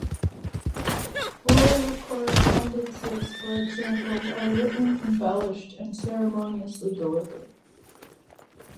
Royal correspondences for example are written, embellished and ceremoniously delivered.